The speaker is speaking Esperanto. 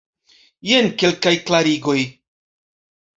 Jen kelkaj klarigoj.